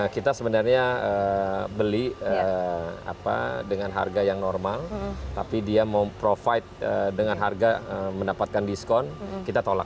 kita sebenarnya beli dengan harga yang normal tapi dia mau provide dengan harga mendapatkan diskon kita tolak